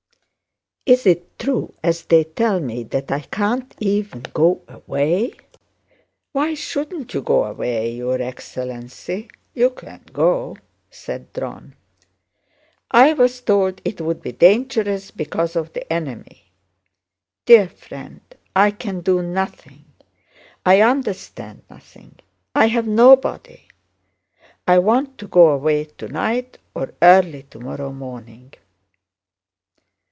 Is it true, as they tell me, that I can't even go away?" "Why shouldn't you go away, your excellency? You can go," said Dron. "I was told it would be dangerous because of the enemy. Dear friend, I can do nothing. I understand nothing. I have nobody! I want to go away tonight or early tomorrow morning."